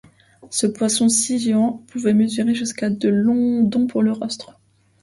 Ce poisson-scie géant pouvait mesurer jusqu'à de long dont pour le rostre.